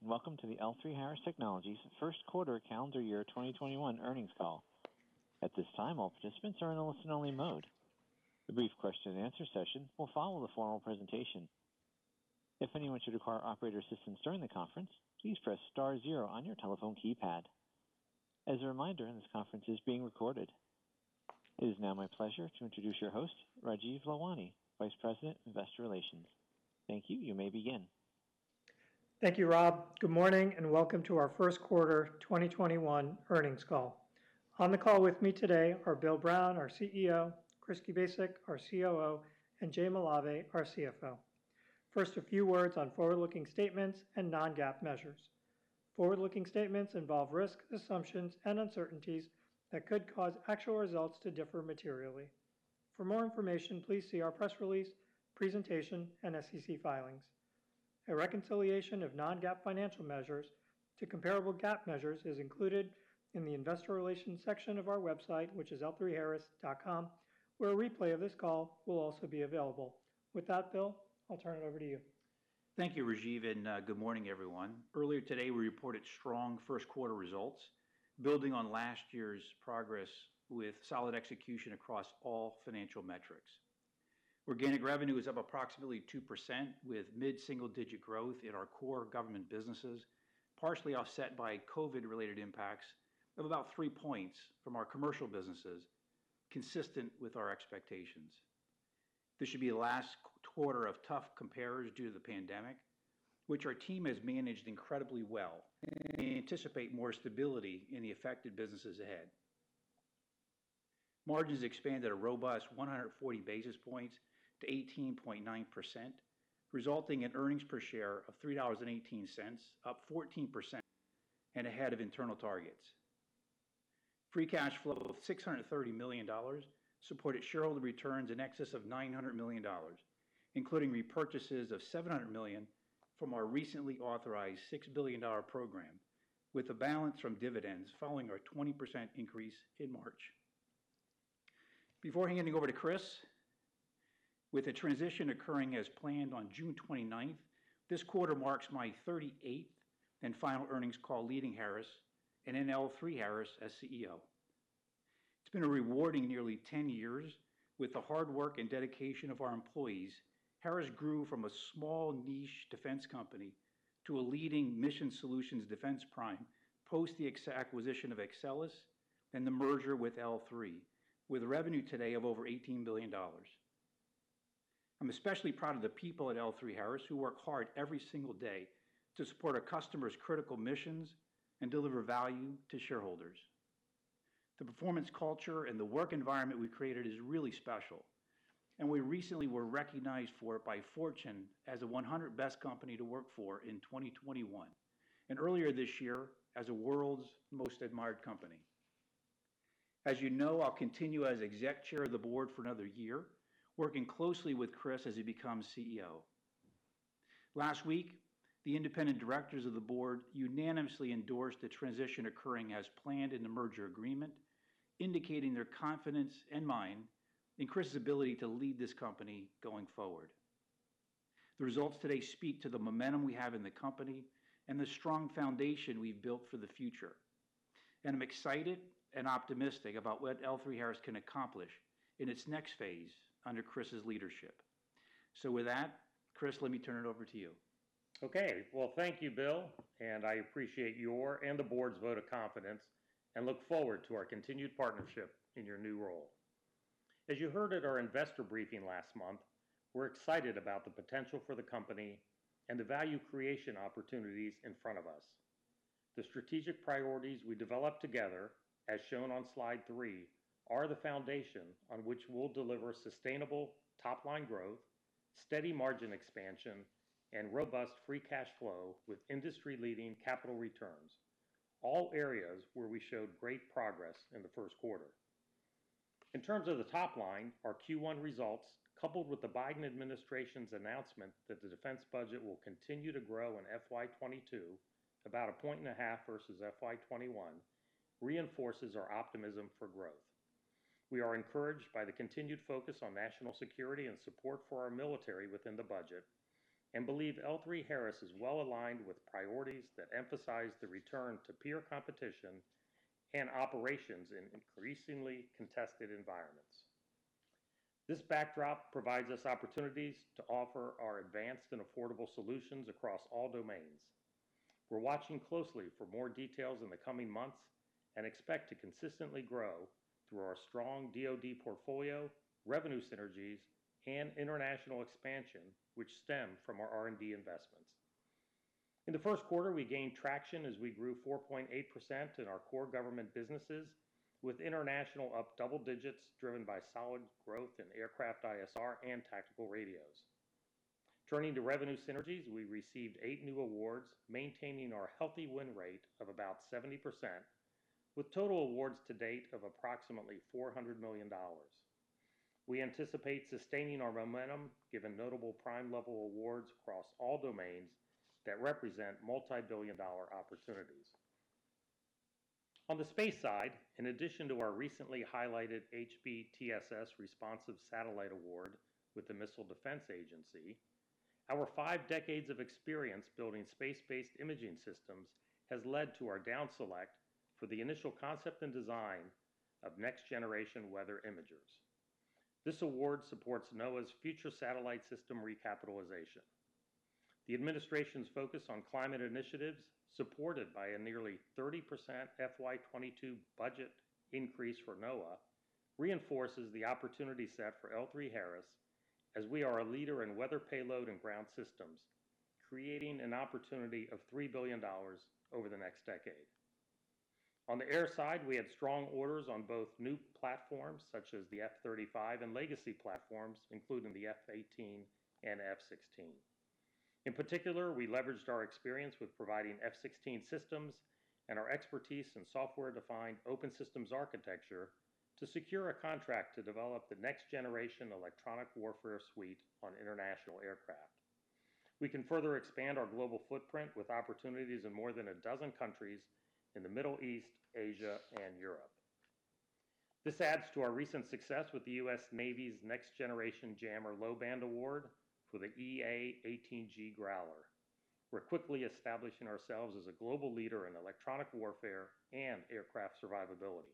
Welcome to the L3Harris Technologies first quarter calendar year 2021 earnings call. At this time, all participants are in a listen-only mode. A brief question-and-answer session will follow the formal presentation. If anyone should require operator assistance during the conference, please press star zero on your telephone keypad. As a reminder, this conference is being recorded. It is now my pleasure to introduce your host, Rajeev Lalwani, Vice President, Investor Relations. Thank you. You may begin. Thank you, Rob. Good morning, welcome to our first quarter 2021 earnings call. On the call with me today are Bill Brown, our CEO, Chris Kubasik, our COO, and Jay Malave, our CFO. First, a few words on forward-looking statements and non-GAAP measures. Forward-looking statements involve risks, assumptions, and uncertainties that could cause actual results to differ materially. For more information, please see our press release, presentation, and SEC filings. A reconciliation of non-GAAP financial measures to comparable GAAP measures is included in the investor relations section of our website, which is l3harris.com, where a replay of this call will also be available. With that, Bill, I'll turn it over to you. Thank you, Rajeev, and good morning, everyone. Earlier today, we reported strong first-quarter results, building on last year's progress with solid execution across all financial metrics. Organic revenue is up approximately 2% with mid-single-digit growth in our core government businesses, partially offset by COVID-related impacts of about 3 points from our commercial businesses, consistent with our expectations. This should be the last quarter of tough compares due to the pandemic, which our team has managed incredibly well. We anticipate more stability in the affected businesses ahead. Margins expanded a robust 140 basis points to 18.9%, resulting in earnings per share of $3.18, up 14% and ahead of internal targets. Free cash flow of $630 million supported shareholder returns in excess of $900 million, including repurchases of $700 million from our recently authorized $6 billion program, with a balance from dividends following our 20% increase in March. Before handing over to Chris, with the transition occurring as planned on June 29th, this quarter marks my 38th and final earnings call leading Harris and then L3Harris as CEO. It's been a rewarding nearly 10 years. With the hard work and dedication of our employees, Harris grew from a small niche defense company to a leading mission solutions defense prime post the acquisition of Exelis and the merger with L3, with revenue today of over $18 billion. I'm especially proud of the people at L3Harris who work hard every single day to support our customer's critical missions and deliver value to shareholders. The performance culture and the work environment we've created is really special, and we recently were recognized for it by Fortune as a 100 Best Company to Work For in 2021, and earlier this year as the world's most admired company. As you know, I'll continue as exec chair of the board for another year, working closely with Chris as he becomes CEO. Last week, the independent directors of the board unanimously endorsed the transition occurring as planned in the merger agreement, indicating their confidence and mine in Chris's ability to lead this company going forward. I'm excited and optimistic about what L3Harris can accomplish in its next phase under Chris's leadership. With that, Chris, let me turn it over to you. Okay. Well, thank you, Bill, and I appreciate your and the board's vote of confidence and look forward to our continued partnership in your new role. As you heard at our investor briefing last month, we're excited about the potential for the company and the value creation opportunities in front of us. The strategic priorities we developed together, as shown on slide three, are the foundation on which we'll deliver sustainable top-line growth, steady margin expansion, and robust free cash flow with industry-leading capital returns, all areas where we showed great progress in the first quarter. In terms of the top line, our Q1 results, coupled with the Biden administration's announcement that the defense budget will continue to grow in FY 2022, about 1.5 point versus FY 2021, reinforces our optimism for growth. We are encouraged by the continued focus on national security and support for our military within the budget and believe L3Harris is well-aligned with priorities that emphasize the return to peer competition and operations in increasingly contested environments. This backdrop provides us opportunities to offer our advanced and affordable solutions across all domains. We're watching closely for more details in the coming months and expect to consistently grow through our strong DoD portfolio, revenue synergies, and international expansion, which stem from our R&D investments. In the first quarter, we gained traction as we grew 4.8% in our core government businesses, with international up double digits driven by solid growth in aircraft ISR and tactical radios. Turning to revenue synergies, we received eight new awards, maintaining our healthy win rate of about 70%, with total awards to date of approximately $400 million. We anticipate sustaining our momentum given notable prime level awards across all domains that represent multi-billion dollar opportunities. On the space side, in addition to our recently highlighted HBTSS responsive satellite award with the Missile Defense Agency, our five decades of experience building space-based imaging systems has led to our down select for the initial concept and design of next-generation weather imagers. This award supports NOAA's future satellite system recapitalization. The administration's focus on climate initiatives, supported by a nearly 30% FY 2022 budget increase for NOAA, reinforces the opportunity set for L3Harris, as we are a leader in weather payload and ground systems, creating an opportunity of $3 billion over the next decade. On the air side, we had strong orders on both new platforms such as the F-35, and legacy platforms including the F-18 and F-16. In particular, we leveraged our experience with providing F-16 systems and our expertise in software-defined open systems architecture to secure a contract to develop the next-generation electronic warfare suite on international aircraft. We can further expand our global footprint with opportunities in more than 12 countries in the Middle East, Asia, and Europe. This adds to our recent success with the U.S. Navy's Next Generation Jammer low-band award for the EA-18G Growler. We're quickly establishing ourselves as a global leader in electronic warfare and aircraft survivability.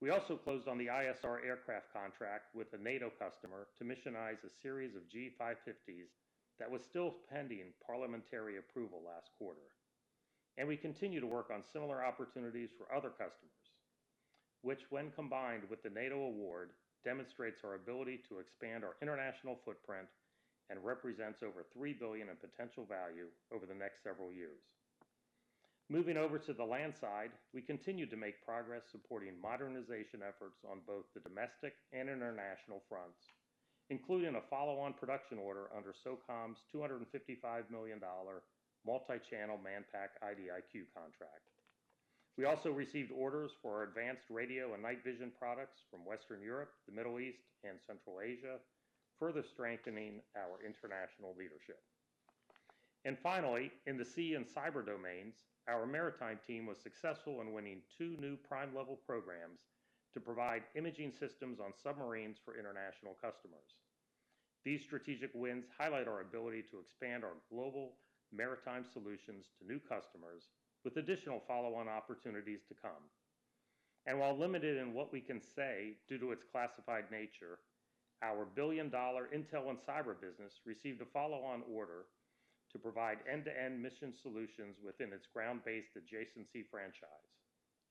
We also closed on the ISR aircraft contract with a NATO customer to missionize a series of G550s that was still pending parliamentary approval last quarter. We continue to work on similar opportunities for other customers, which when combined with the NATO award, demonstrates our ability to expand our international footprint and represents over $3 billion in potential value over the next several years. Moving over to the land side, we continue to make progress supporting modernization efforts on both the domestic and international fronts, including a follow-on production order under SOCOM's $255 million multi-channel Manpack IDIQ contract. We also received orders for our advanced radio and night vision products from Western Europe, the Middle East, and Central Asia, further strengthening our international leadership. Finally, in the sea and cyber domains, our maritime team was successful in winning two new prime level programs to provide imaging systems on submarines for international customers. These strategic wins highlight our ability to expand our global maritime solutions to new customers with additional follow-on opportunities to come. While limited in what we can say due to its classified nature, our billion-dollar intel and cyber business received a follow-on order to provide end-to-end mission solutions within its ground-based adjacency franchise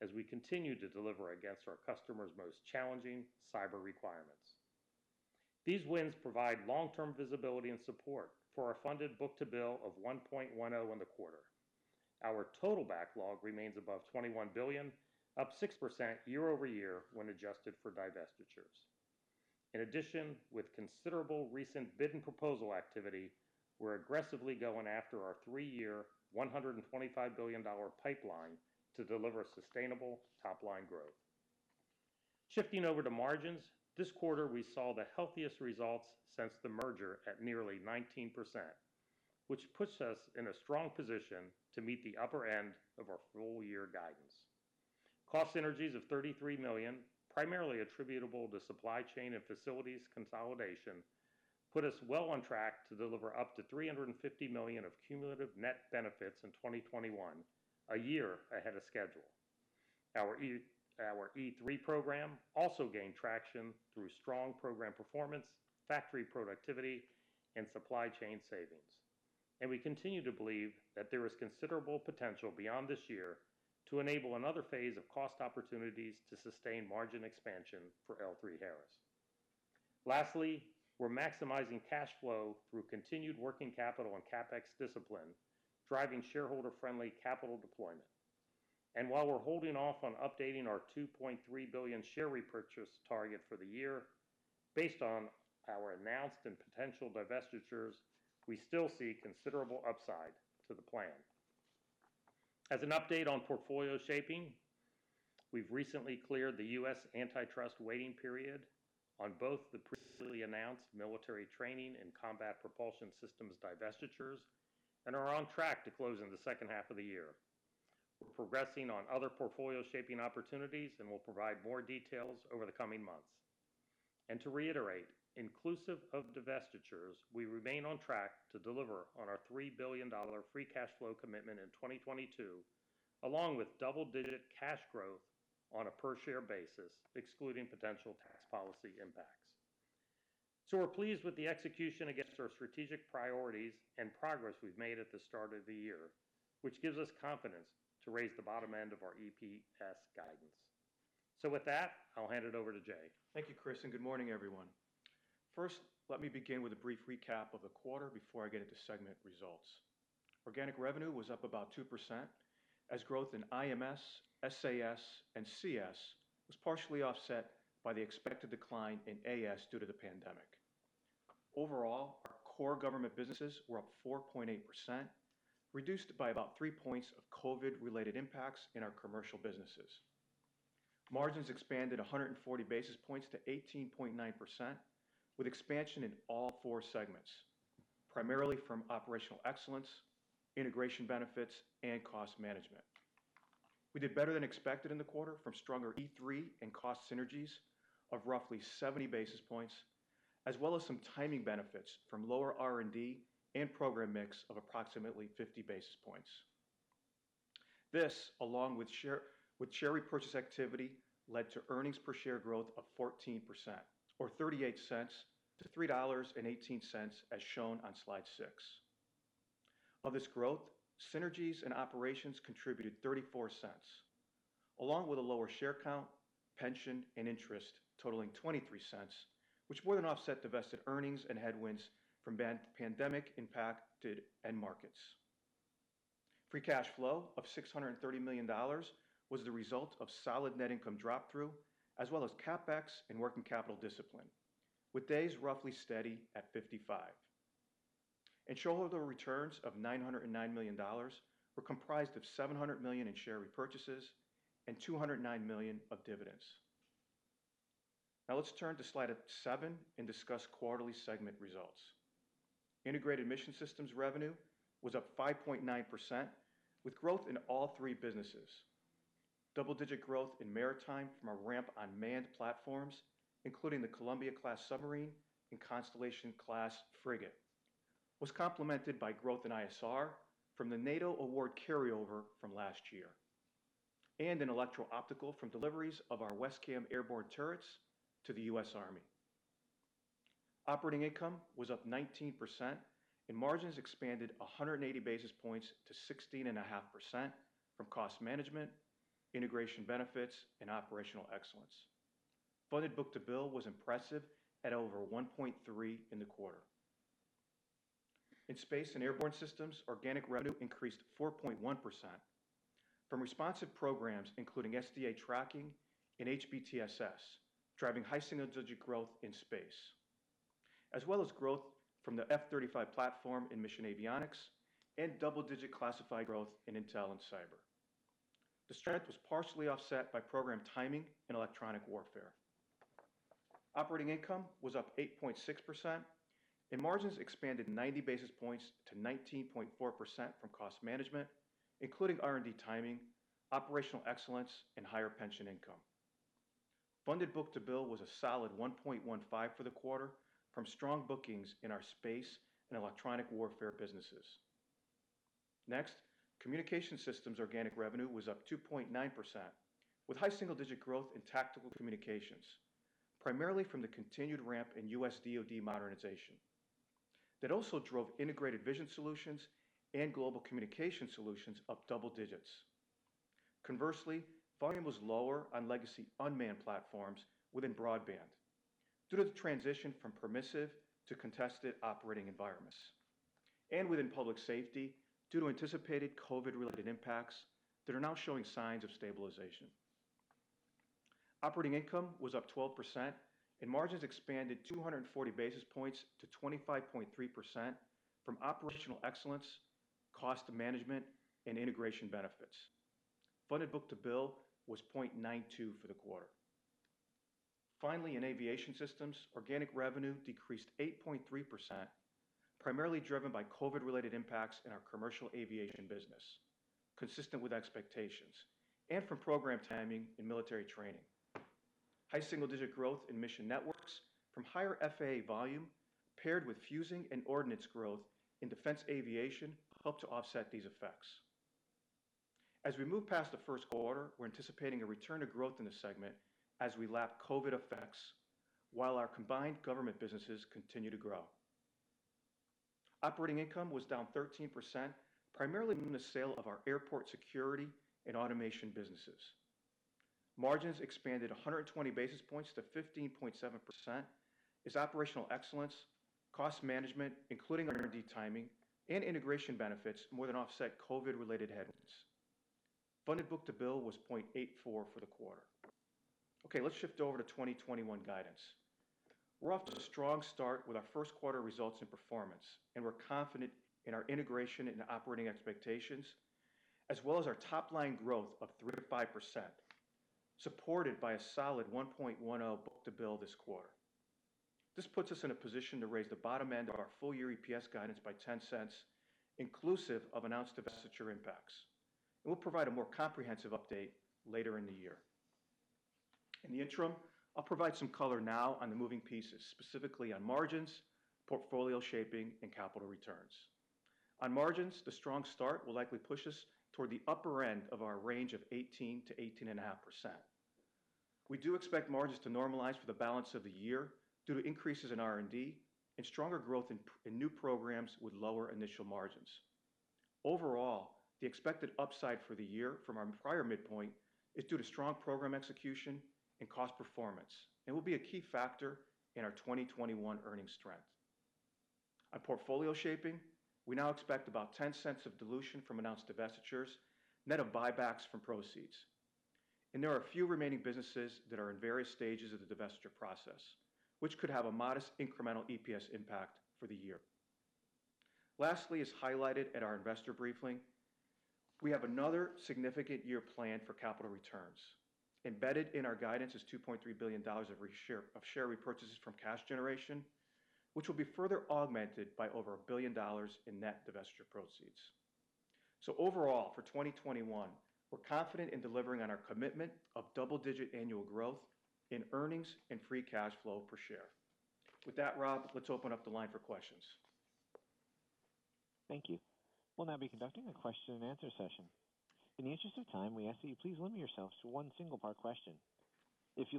as we continue to deliver against our customers' most challenging cyber requirements. These wins provide long-term visibility and support for our funded book-to-bill of 1.10 in the quarter. Our total backlog remains above $21 billion, up 6% year-over-year when adjusted for divestitures. In addition, with considerable recent bid and proposal activity, we're aggressively going after our three-year, $125 billion pipeline to deliver sustainable top-line growth. Shifting over to margins, this quarter we saw the healthiest results since the merger at nearly 19%, which puts us in a strong position to meet the upper end of our full year guidance. Cost synergies of $33 million, primarily attributable to supply chain and facilities consolidation, put us well on track to deliver up to $350 million of cumulative net benefits in 2021, a year ahead of schedule. Our E3 program also gained traction through strong program performance, factory productivity, and supply chain savings, and we continue to believe that there is considerable potential beyond this year to enable another phase of cost opportunities to sustain margin expansion for L3Harris. Lastly, we're maximizing cash flow through continued working capital and CapEx discipline, driving shareholder-friendly capital deployment. While we're holding off on updating our $2.3 billion share repurchase target for the year, based on our announced and potential divestitures, we still see considerable upside to the plan. As an update on portfolio shaping, we've recently cleared the U.S. antitrust waiting period on both the previously announced military training and combat propulsion systems divestitures, and are on track to close in the second half of the year. We're progressing on other portfolio shaping opportunities, and we'll provide more details over the coming months. To reiterate, inclusive of divestitures, we remain on track to deliver on our $3 billion free cash flow commitment in 2022, along with double-digit cash growth on a per-share basis, excluding potential tax policy impacts. We're pleased with the execution against our strategic priorities and progress we've made at the start of the year, which gives us confidence to raise the bottom end of our EPS guidance. With that, I'll hand it over to Jay. Thank you, Chris, and good morning, everyone. First, let me begin with a brief recap of the quarter before I get into segment results. Organic revenue was up about 2%, as growth in IMS, SAS, and CS was partially offset by the expected decline in AS due to the pandemic. Overall, our core government businesses were up 4.8%, reduced by about 3 points of COVID-related impacts in our commercial businesses. Margins expanded 140 basis points to 18.9%, with expansion in all four segments, primarily from operational excellence, integration benefits, and cost management. We did better than expected in the quarter from stronger E3 and cost synergies of roughly 70 basis points, as well as some timing benefits from lower R&D and program mix of approximately 50 basis points. This, along with share repurchase activity, led to earnings per share growth of 14%, or $0.38 to $3.18 as shown on slide six. Of this growth, synergies and operations contributed $0.34, along with a lower share count, pension, and interest totaling $0.23, which more than offset divested earnings and headwinds from pandemic impacted end markets. Free cash flow of $630 million was the result of solid net income drop through, as well as CapEx and working capital discipline, with days roughly steady at 55. Shareholder returns of $909 million were comprised of $700 million in share repurchases and $209 million of dividends. Now let's turn to slide seven and discuss quarterly segment results. Integrated Mission Systems revenue was up 5.9% with growth in all three businesses. Double-digit growth in maritime from a ramp on manned platforms, including the Columbia-class submarine and Constellation-class frigate, was complemented by growth in ISR from the NATO award carryover from last year, and in electro-optical from deliveries of our WESCAM airborne turrets to the U.S. Army. Operating income was up 19%, and margins expanded 180 basis points to 16.5% from cost management, integration benefits, and operational excellence. Funded book-to-bill was impressive at over 1.3 in the quarter. In Space and Airborne Systems, organic revenue increased 4.1% from responsive programs, including SDA Tracking and HBTSS, driving high single-digit growth in space, as well as growth from the F-35 platform in mission avionics and double-digit classified growth in intel and cyber. The strength was partially offset by program timing and electronic warfare. Operating income was up 8.6%, and margins expanded 90 basis points to 19.4% from cost management, including R&D timing, operational excellence, and higher pension income. Funded book-to-bill was a solid 1.15 for the quarter from strong bookings in our space and electronic warfare businesses. Next, Communication Systems organic revenue was up 2.9% with high single-digit growth in tactical communications, primarily from the continued ramp in U.S. DoD modernization. That also drove Integrated Vision Solutions and Global Communication Solutions up double digits. Conversely, volume was lower on legacy unmanned platforms within broadband due to the transition from permissive to contested operating environments, and within public safety due to anticipated COVID-related impacts that are now showing signs of stabilization. Operating income was up 12%, and margins expanded 240 basis points to 25.3% from operational excellence, cost management, and integration benefits. Funded book-to-bill was 0.92 for the quarter. In Aviation Systems, organic revenue decreased 8.3%, primarily driven by COVID related impacts in our commercial aviation business, consistent with expectations, and from program timing and military training. High single-digit growth in Mission Networks from higher FAA volume paired with fuzing and ordnance growth in defense aviation helped to offset these effects. As we move past the first quarter, we're anticipating a return to growth in the segment as we lap COVID effects while our combined government businesses continue to grow. Operating income was down 13%, primarily from the sale of our airport security and automation businesses. Margins expanded 120 basis points to 15.7% as operational excellence, cost management, including R&D timing, and integration benefits more than offset COVID related headwinds. Funded book-to-bill was 0.84 for the quarter. Let's shift over to 2021 guidance. We're off to a strong start with our first quarter results and performance, and we're confident in our integration and operating expectations, as well as our top-line growth of 3%-5%, supported by a solid 1.10 book-to-bill this quarter. This puts us in a position to raise the bottom end of our full-year EPS guidance by $0.10 inclusive of announced divestiture impacts. We'll provide a more comprehensive update later in the year. In the interim, I'll provide some color now on the moving pieces, specifically on margins, portfolio shaping, and capital returns. On margins, the strong start will likely push us toward the upper end of our range of 18%-18.5%. We do expect margins to normalize for the balance of the year due to increases in R&D and stronger growth in new programs with lower initial margins. Overall, the expected upside for the year from our prior midpoint is due to strong program execution and cost performance and will be a key factor in our 2021 earnings strength. On portfolio shaping, we now expect about $0.10 of dilution from announced divestitures, net of buybacks from proceeds. There are a few remaining businesses that are in various stages of the divestiture process, which could have a modest incremental EPS impact for the year. Lastly, as highlighted at our investor briefing, we have another significant year planned for capital returns. Embedded in our guidance is $2.3 billion of share repurchases from cash generation, which will be further augmented by over $1 billion in net divestiture proceeds. Overall, for 2021, we're confident in delivering on our commitment of double-digit annual growth in earnings and free cash flow per share. With that, Rob, let's open up the line for questions. Thank you. We'll now be conducting a question and answer session. In the interest of time, we ask that you please limit yourselves to one single part question. Thank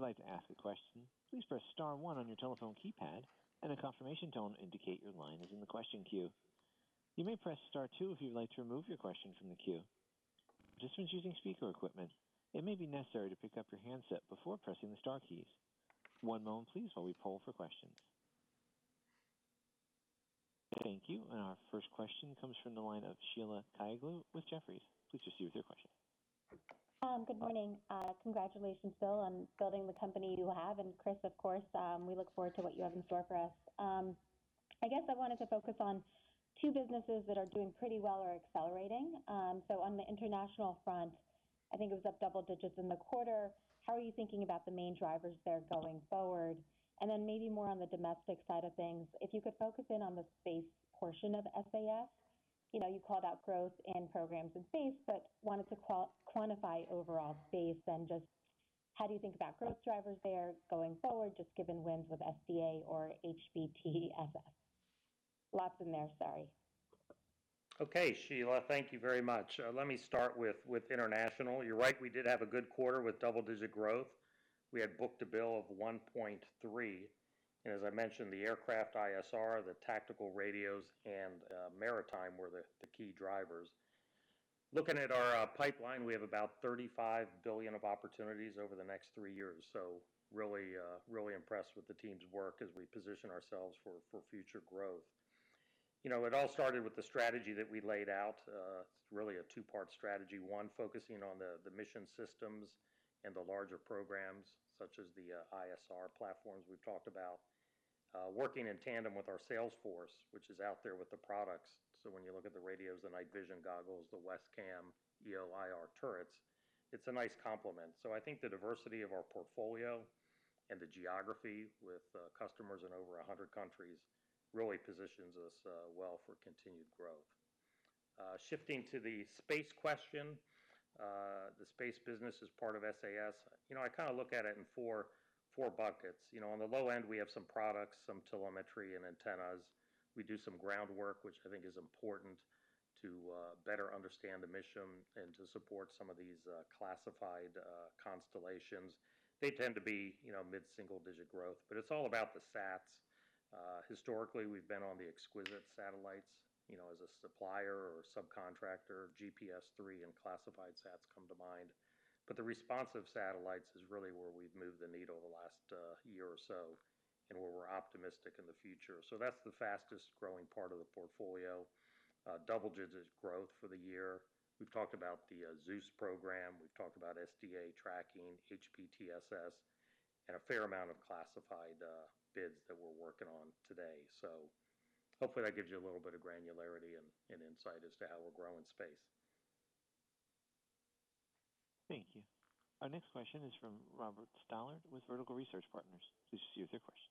you. Our first question comes from the line of Sheila Kahyaoglu with Jefferies. Please proceed with your question. Good morning. Congratulations, Bill, on building the company you have. Chris, of course, we look forward to what you have in store for us. I wanted to focus on two businesses that are doing pretty well or accelerating. On the international front, I think it was up double digits in the quarter. How are you thinking about the main drivers there going forward? Maybe more on the domestic side of things, if you could focus in on the space portion of SAS. You called out growth in programs and space, but wanted to quantify overall space, and just how do you think about growth drivers there going forward, just given wins with SDA or HBTSS. Lots in there, sorry. Okay, Sheila, thank you very much. Let me start with international. You're right, we did have a good quarter with double-digit growth. We had book-to-bill of 1.3. As I mentioned, the aircraft ISR, the tactical radios, and maritime were the key drivers. Looking at our pipeline, we have about 35 billion of opportunities over the next three years. Really impressed with the team's work as we position ourselves for future growth. It all started with the strategy that we laid out, really a two-part strategy. One, focusing on the mission systems and the larger programs such as the ISR platforms we've talked about. Working in tandem with our sales force, which is out there with the products. When you look at the radios, the night vision goggles, the WESCAM EO/IR turrets, it's a nice complement. I think the diversity of our portfolio and the geography with customers in over 100 countries really positions us well for continued growth. Shifting to the space question. The space business is part of SAS. I kind of look at it in four buckets. On the low end, we have some products, some telemetry, and antennas. We do some groundwork, which I think is important to better understand the mission and to support some of these classified constellations. They tend to be mid-single digit growth, but it's all about the sats. Historically, we've been on the exquisite satellites, as a supplier or subcontractor, GPS III and classified sats come to mind. The responsive satellites is really where we've moved the needle the last year or so, and where we're optimistic in the future. That's the fastest growing part of the portfolio. Double digits growth for the year. We've talked about the Zeus program, we've talked about SDA tracking, HBTSS, and a fair amount of classified bids that we're working on today. Hopefully that gives you a little bit of granularity and insight as to how we'll grow in space. Thank you. Our next question is from Robert Stallard with Vertical Research Partners. Please proceed with your question.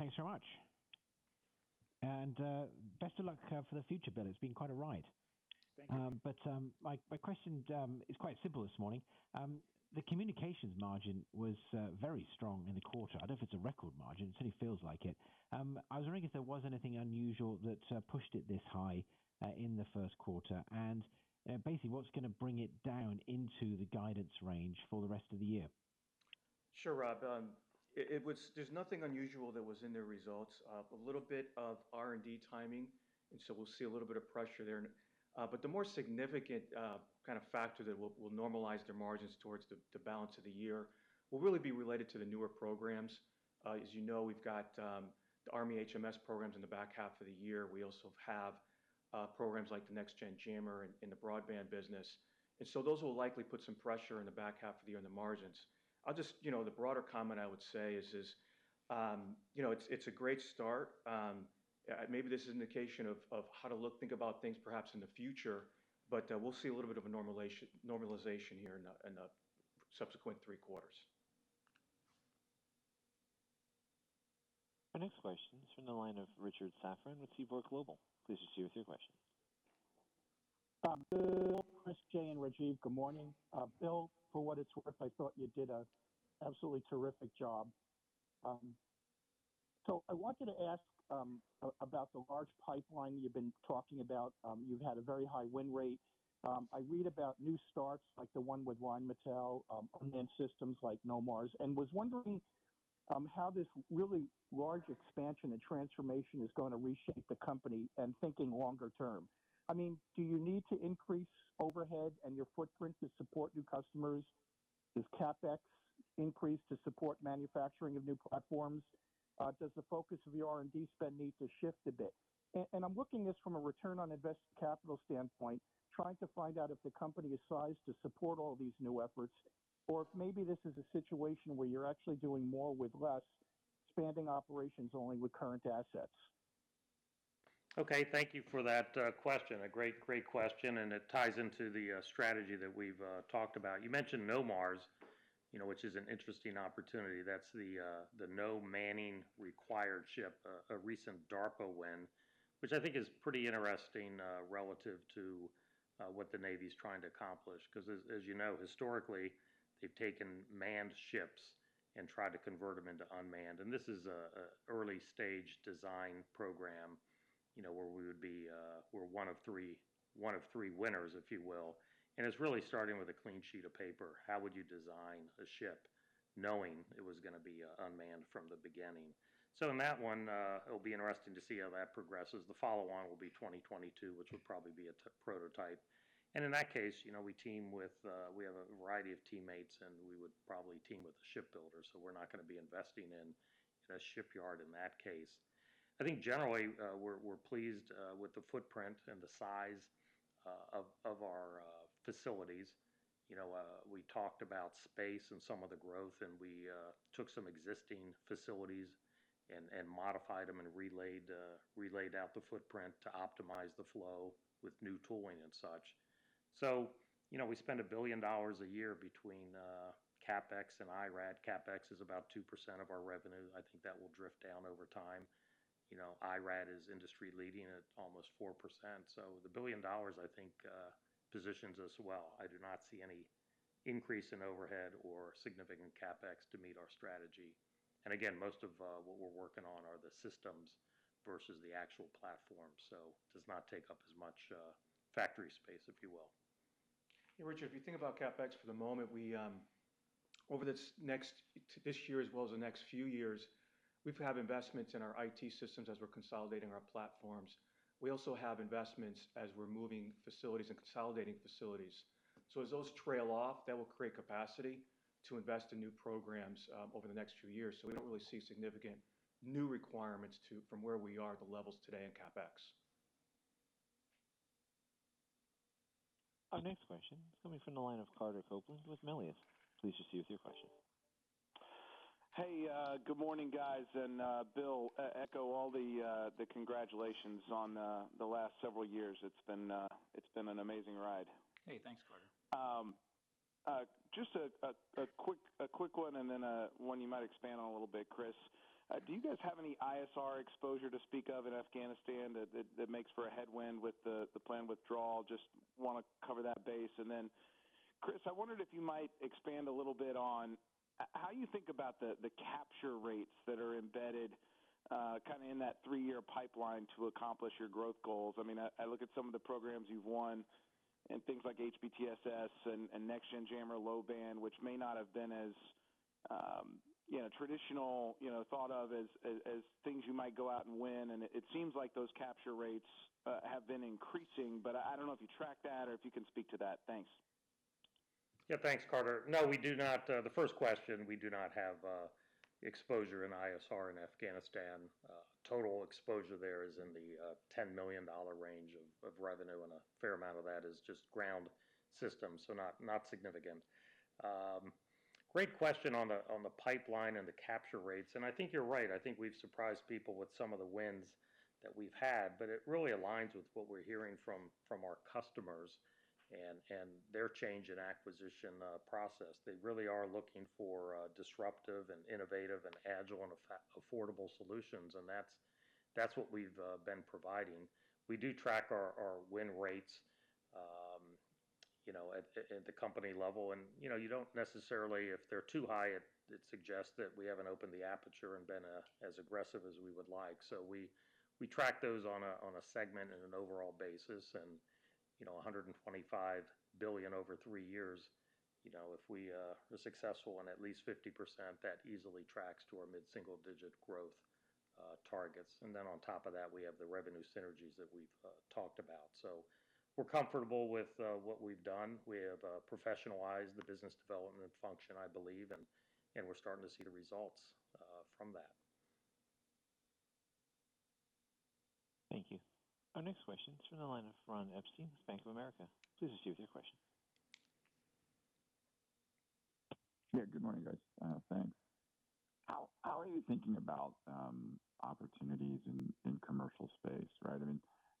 Thanks very much. Best of luck for the future, Bill. It's been quite a ride. Thank you. My question is quite simple this morning. The communications margin was very strong in the quarter. I don't know if it's a record margin. It certainly feels like it. I was wondering if there was anything unusual that pushed it this high in the first quarter, and basically, what's going to bring it down into the guidance range for the rest of the year? Sure, Rob. There's nothing unusual that was in their results. A little bit of R&D timing. We'll see a little bit of pressure there. The more significant kind of factor that will normalize their margins towards the balance of the year will really be related to the newer programs. As you know, we've got the Army HMS programs in the back half of the year. We also have programs like the Next Gen Jammer in the broadband business. Those will likely put some pressure in the back half of the year in the margins. The broader comment I would say is, it's a great start. Maybe this is an indication of how to think about things perhaps in the future. We'll see a little bit of a normalization here in the subsequent three quarters. Our next question is from the line of Richard Safran with Seaport Global. Please proceed with your question. Chris, Jay, and Rajeev, good morning. Bill, for what it's worth, I thought you did a absolutely terrific job. I wanted to ask about the large pipeline you've been talking about. You've had a very high win rate. I read about new starts like the one with [inaudible] and systems like NOMARS, and was wondering how this really large expansion and transformation is going to reshape the company and thinking longer term. Do you need to increase overhead and your footprint to support new customers? Does CapEx increase to support manufacturing of new platforms? Does the focus of your R&D spend need to shift a bit? I'm looking at this from a return on invested capital standpoint, trying to find out if the company is sized to support all these new efforts. Maybe this is a situation where you're actually doing more with less, expanding operations only with current assets. Okay. Thank you for that question. A great question, and it ties into the strategy that we've talked about. You mentioned NOMARS, which is an interesting opportunity. That's the No Manning Required Ship, a recent DARPA win, which I think is pretty interesting relative to what the Navy's trying to accomplish. As you know, historically, they've taken manned ships and tried to convert them into unmanned. This is an early stage design program, where we're one of three winners, if you will. It's really starting with a clean sheet of paper. How would you design a ship knowing it was going to be unmanned from the beginning? In that one, it'll be interesting to see how that progresses. The follow-on will be 2022, which will probably be a prototype. In that case, we have a variety of teammates, and we would probably team with the shipbuilders, so we're not going to be investing in a shipyard in that case. I think generally, we're pleased with the footprint and the size of our facilities. We talked about space and some of the growth, and we took some existing facilities and modified them and relaid out the footprint to optimize the flow with new tooling and such. We spend $1 billion a year between CapEx and IRAD. CapEx is about 2% of our revenue. I think that will drift down over time. IRAD is industry leading at almost 4%. The $1 billion, I think, positions us well. I do not see any increase in overhead or significant CapEx to meet our strategy. Again, most of what we're working on are the systems versus the actual platform, so it does not take up as much factory space, if you will. Yeah, Richard, if you think about CapEx for the moment, over this year as well as the next few years, we have investments in our IT systems as we're consolidating our platforms. We also have investments as we're moving facilities and consolidating facilities. As those trail off, that will create capacity to invest in new programs over the next few years. We don't really see significant new requirements from where we are at the levels today in CapEx. Our next question is coming from the line of Carter Copeland with Melius. Please proceed with your question. Hey, good morning, guys. Bill, echo all the congratulations on the last several years. It's been an amazing ride. Hey, thanks, Carter. Just a quick one you might expand on a little bit, Chris. Do you guys have any ISR exposure to speak of in Afghanistan that makes for a headwind with the planned withdrawal? Just want to cover that base. Chris, I wondered if you might expand a little bit on how you think about the capture rates that are embedded kind of in that three-year pipeline to accomplish your growth goals. I look at some of the programs you've won and things like HBTSS and Next Generation Jammer low band, which may not have been as traditional, thought of as things you might go out and win. It seems like those capture rates have been increasing, but I don't know if you track that or if you can speak to that. Thanks. Thanks, Carter. No, we do not. The first question, we do not have exposure in ISR in Afghanistan. Total exposure there is in the $10 million range of revenue, and a fair amount of that is just ground systems, so not significant. Great question on the pipeline and the capture rates, and I think you're right. I think we've surprised people with some of the wins that we've had, but it really aligns with what we're hearing from our customers and their change in acquisition process. They really are looking for disruptive and innovative and agile and affordable solutions, and that's what we've been providing. We do track our win rates at the company level. You don't necessarily, if they're too high, it suggests that we haven't opened the aperture and been as aggressive as we would like. We track those on a segment and an overall basis and $125 billion over three years. If we are successful in at least 50%, that easily tracks to our mid-single-digit growth targets. On top of that, we have the revenue synergies that we've talked about. We're comfortable with what we've done. We have professionalized the business development function, I believe, and we're starting to see the results from that. Thank you. Our next question is from the line of Ronald Epstein with Bank of America. Please proceed with your question. Yeah, good morning, guys. Thanks. How are you thinking about opportunities in commercial space, right?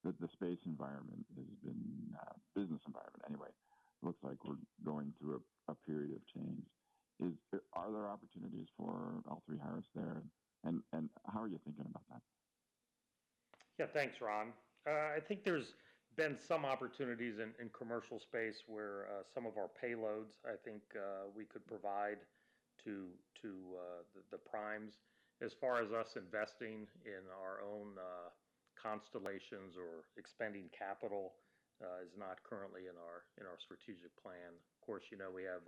The space environment has been, business environment anyway, looks like we're going through a period of change. Are there opportunities for L3Harris there, and how are you thinking about that? Yeah, thanks, Ron. I think there's been some opportunities in commercial space where some of our payloads, I think, we could provide to the primes. As far as us investing in our own constellations or expending capital is not currently in our strategic plan. Of course, we have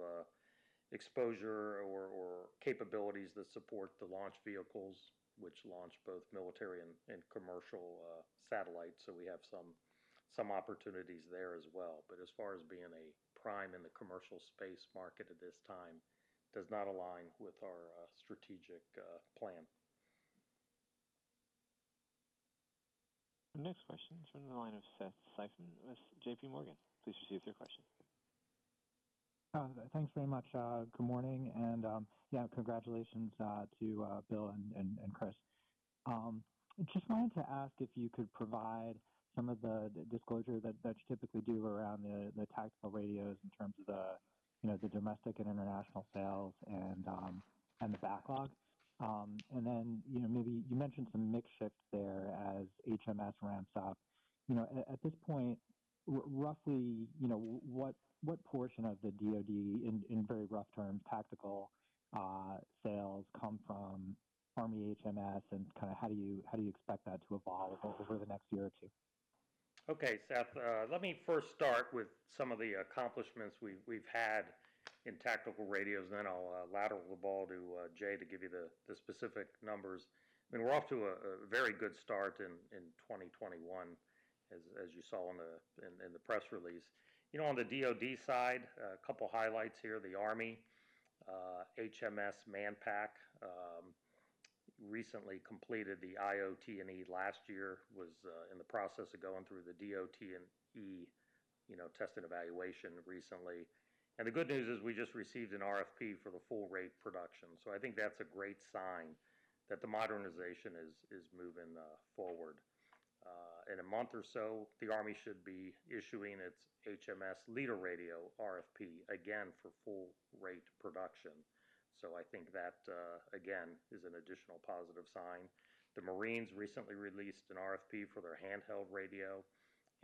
exposure or capabilities that support the launch vehicles, which launch both military and commercial satellites. We have some opportunities there as well. As far as being a prime in the commercial space market at this time, does not align with our strategic plan. Our next question is from the line of Seth Seifman with JPMorgan. Please proceed with your question. Thanks very much. Good morning, and congratulations to Bill and Chris. Just wanted to ask if you could provide some of the disclosure that you typically do around the tactical radios in terms of the domestic and international sales and the backlog. Maybe you mentioned some mix shift there as HMS ramps up. At this point, roughly, what portion of the DoD, in very rough terms, tactical sales come from Army HMS, and how do you expect that to evolve over the next year or two? Okay, Seth. Let me first start with some of the accomplishments we've had in tactical radios, then I'll lateral the ball to Jay to give you the specific numbers. We're off to a very good start in 2021, as you saw in the press release. On the DoD side, a couple highlights here. The Army HMS Manpack recently completed the IOT&E last year, was in the process of going through the DOT&E test and evaluation recently. The good news is we just received an RFP for the full-rate production. I think that's a great sign that the modernization is moving forward. In a month or so, the Army should be issuing its HMS leader radio RFP, again, for full-rate production. I think that, again, is an additional positive sign. The Marines recently released an RFP for their handheld radio,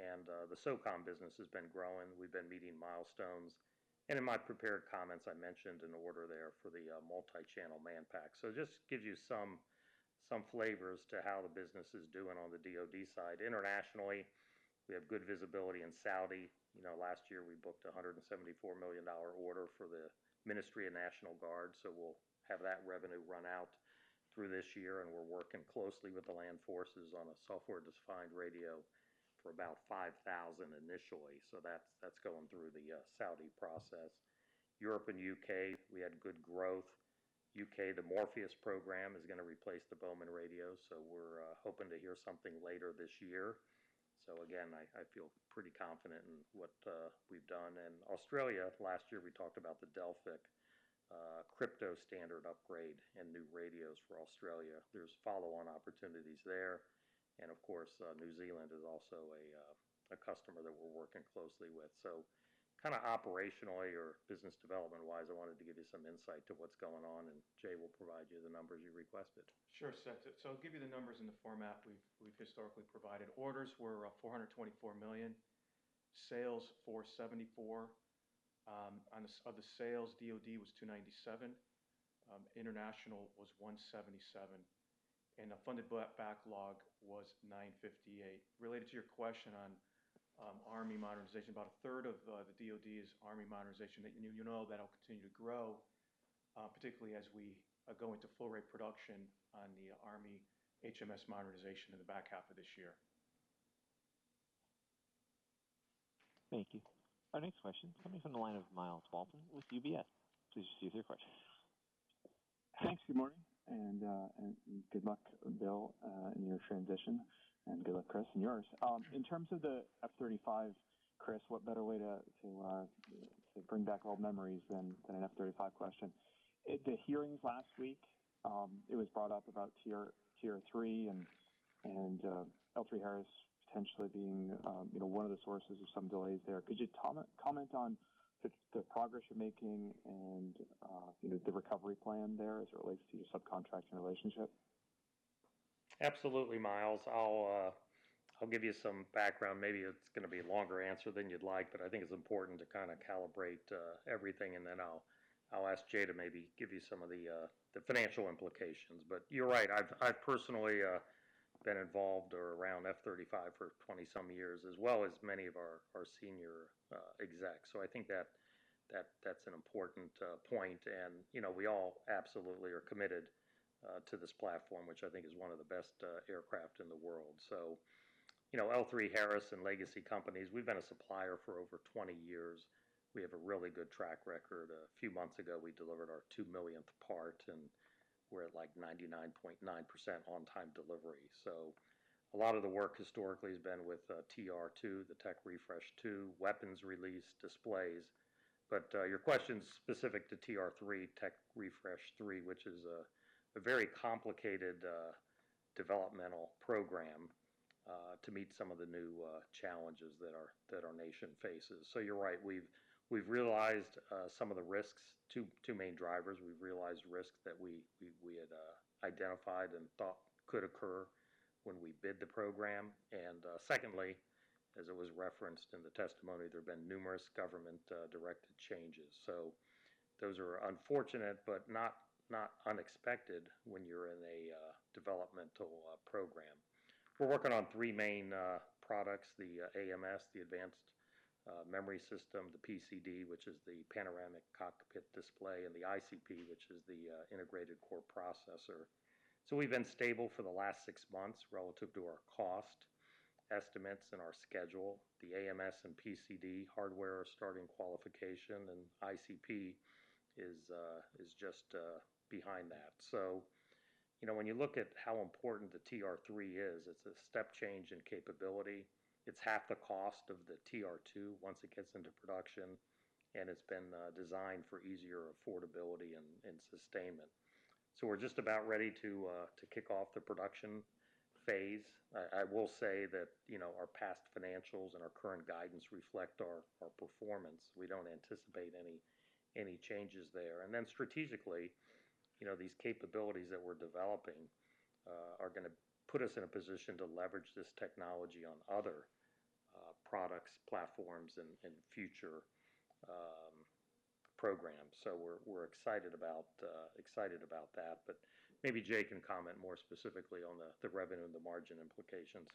the SOCOM business has been growing. In my prepared comments, I mentioned an order there for the multi-channel Manpack. Just gives you some flavor as to how the business is doing on the DoD side. Internationally, we have good visibility in Saudi. Last year, we booked a $174 million order for the Ministry of National Guard. We'll have that revenue run out through this year, and we're working closely with the land forces on a software-defined radio for about 5,000 initially. That's going through the Saudi process. Europe and U.K., we had good growth. U.K., the Morpheus program is going to replace the Bowman radio, so we're hoping to hear something later this year. Again, I feel pretty confident in what we've done. In Australia, last year, we talked about the [indaudible] crypto standard upgrade and new radios for Australia. There's follow-on opportunities there. Of course, New Zealand is also a customer that we're working closely with. Operationally or business development-wise, I wanted to give you some insight to what's going on, and Jay will provide you the numbers you requested. Sure, Seth. I'll give you the numbers in the format we've historically provided. Orders were $424 million. Sales, $474 million. Of the sales, DoD was $297 million, international was $177 million, and the funded backlog was $958 million. Related to your question on Army modernization, about a third of the DoD is Army modernization. You know that'll continue to grow, particularly as we go into full-rate production on the Army HMS modernization in the back half of this year. Thank you. Our next question is coming from the line of Myles Walton with UBS. Please proceed with your question. Thanks. Good morning, and good luck, Bill, in your transition, and good luck, Chris, in yours. In terms of the F-35, Chris, what better way to bring back old memories than an F-35 question. At the hearings last week, it was brought up about TR-3 and L3Harris potentially being one of the sources of some delays there. Could you comment on the progress you're making and the recovery plan there as it relates to your subcontracting relationship? Absolutely, Myles. I'll give you some background. Maybe it's going to be a longer answer than you'd like, but I think it's important to calibrate everything, and then I'll ask Jay to maybe give you some of the financial implications. You're right. I've personally been involved or around F-35 for 20-some years, as well as many of our senior execs. I think that's an important point, and we all absolutely are committed to this platform, which I think is one of the best aircraft in the world. L3Harris and legacy companies, we've been a supplier for over 20 years. We have a really good track record. A few months ago, we delivered our two millionth part, and we're at 99.9% on-time delivery. A lot of the work historically has been with TR-2, the Tech Refresh 2, weapons release, displays. Your question's specific to TR-3, Tech Refresh 3, which is a very complicated developmental program to meet some of the new challenges that our nation faces. You're right. We've realized some of the risks. Two main drivers. We've realized risks that we had identified and thought could occur when we bid the program. Secondly, as it was referenced in the testimony, there have been numerous government-directed changes. Those are unfortunate but not unexpected when you're in a developmental program. We're working on three main products, the AMS, the Advanced Memory System, the PCD, which is the Panoramic Cockpit Display, and the ICP, which is the Integrated Core Processor. We've been stable for the last six months relative to our cost estimates and our schedule. The AMS and PCD hardware are starting qualification, and ICP is just behind that. When you look at how important the TR-3 is, it's a step change in capability. It's half the cost of the TR-2 once it gets into production, and it's been designed for easier affordability and sustainment. We're just about ready to kick off the production phase. I will say that our past financials and our current guidance reflect our performance. We don't anticipate any changes there. Strategically, these capabilities that we're developing are going to put us in a position to leverage this technology on other products, platforms, and future programs. We're excited about that, but maybe Jay can comment more specifically on the revenue and the margin implications.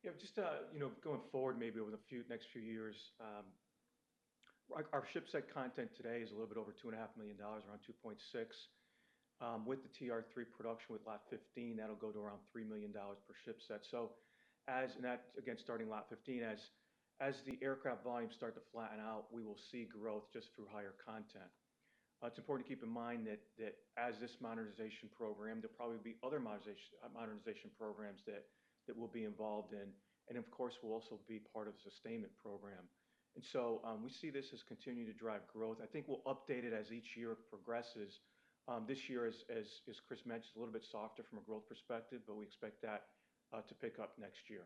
Going forward, maybe over the next few years, our ship set content today is a little bit over $2.5 million, around $2.6 million. With the TR-3 production with lot 15, that'll go to around $3 million per ship set. As, and that again, starting lot 15, as the aircraft volumes start to flatten out, we will see growth just through higher content. It's important to keep in mind that as this modernization program, there'll probably be other modernization programs that we'll be involved in, and of course, we'll also be part of the sustainment program. We see this as continuing to drive growth. I think we'll update it as each year progresses. This year, as Chris mentioned, a little bit softer from a growth perspective, we expect that to pick up next year.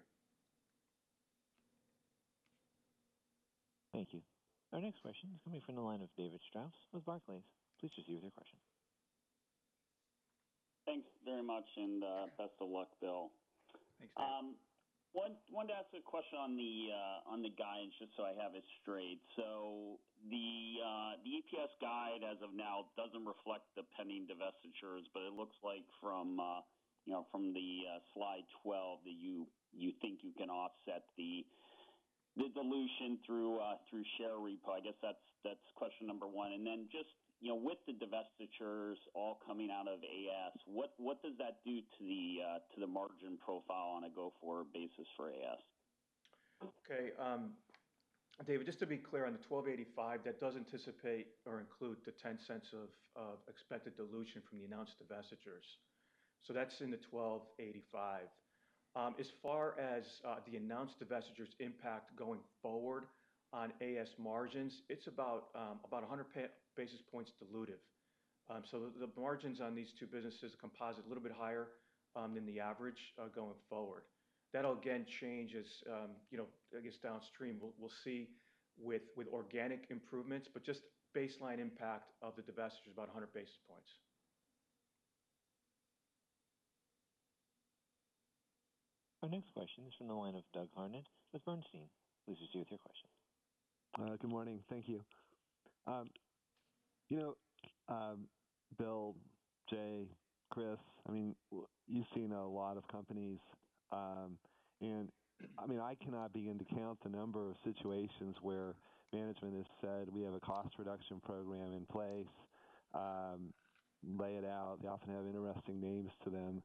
Thank you. Our next question is coming from the line of David Strauss with Barclays. Please proceed with your question. Thanks very much and best of luck, Bill. Thanks, Dave. wanted to ask a question on the guidance, just so I have it straight. The EPS guide as of now doesn't reflect the pending divestitures, but it looks like from the slide 12 that you think you can offset the dilution through share repo. I guess that's question number one. Just with the divestitures all coming out of AS, what does that do to the margin profile on a go-forward basis for AS? David, just to be clear, on the $12.85, that does anticipate or include the $0.10 of expected dilution from the announced divestitures. That's in the $12.85. As far as the announced divestitures impact going forward on AS margins, it's about 100 basis points dilutive. The margins on these two businesses composite a little bit higher than the average, going forward. That'll again change as, I guess, downstream. We'll see with organic improvements, just baseline impact of the divestiture is about 100 basis points. Our next question is from the line of Doug Harned with Bernstein. Please proceed with your question. Good morning. Thank you. Bill, Jay, Chris, you've seen a lot of companies, and I cannot begin to count the number of situations where management has said, "We have a cost reduction program in place," lay it out. They often have interesting names to them.